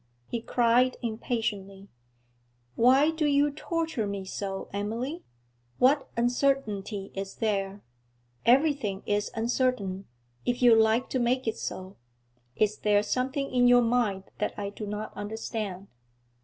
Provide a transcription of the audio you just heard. he cried impatiently. 'Why do you torture me so, Emily? What uncertainty is there? Everything is uncertain, if you like to make it so. Is there something in your mind that I do not understand?'